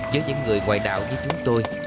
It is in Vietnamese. với những người ngoại đạo như chúng tôi